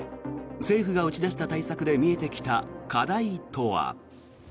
政府が打ち出した対策で見えてきた課題とは。